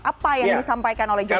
apa yang disampaikan oleh jokowi